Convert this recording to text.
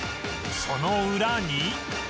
その裏に